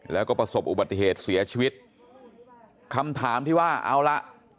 แล้วก็ประสบอุบัติเหตุเสียชีวิตคำถามที่ว่าเอาละ